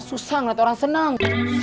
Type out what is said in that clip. susah liat orang seneng